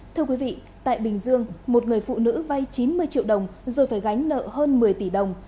thưa quý vị tại bình dương một người phụ nữ vay chín mươi triệu đồng rồi phải gánh nợ hơn một mươi tỷ đồng